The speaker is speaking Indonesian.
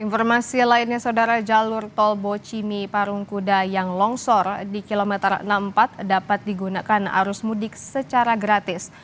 informasi lainnya saudara jalur tol bocimi parung kuda yang longsor di kilometer enam puluh empat dapat digunakan arus mudik secara gratis